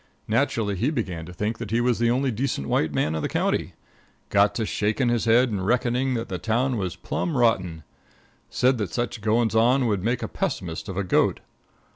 Naturally, he began to think that he was the only decent white man in the county. Got to shaking his head and reckoning that the town was plum rotten. Said that such goings on would make a pessimist of a goat.